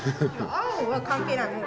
青は関係ないのよ。